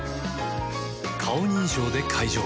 顔認証で解錠